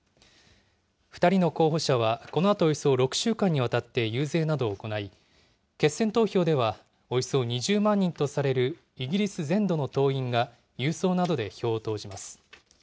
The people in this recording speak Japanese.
２人の候補者はこのあと、およそ６週間にわたって遊説などを行い、決選投票では、およそ２０万人とされるイギリス全土の党員が郵送などで票を投じます。